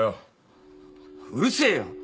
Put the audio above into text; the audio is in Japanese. うるせえよ。